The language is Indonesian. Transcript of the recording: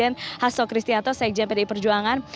sekjen haslo kristianto sekjen pd perjuangan